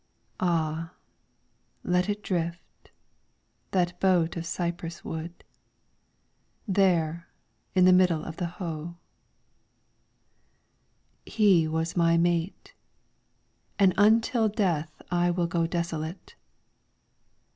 Ah, let it drift, that boat of cypress wood. There in the middle of the Ho. He was my mate, And until death I will go desolate.